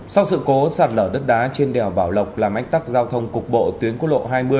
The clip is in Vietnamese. sau sự cố sạt lở đất đá trên đèo bảo lộc làm ánh tắc giao thông cục bộ tuyến quốc lộ hai mươi